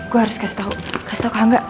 gue harus kasih tau kasih tau kalau nggak